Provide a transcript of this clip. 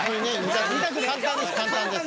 簡単です簡単です。